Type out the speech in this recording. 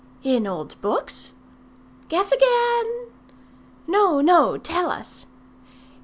"In old books?" "Guess again." "No, no. Tell us."